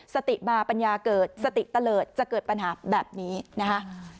สติมาปัญญาเกิดสติเตลิศจะเกิดปัญหาแบบนี้นะคะ